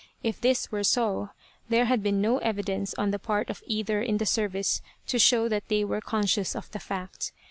If this were so, there had been no evidence on the part of either in the service to show that they were conscious of the fact.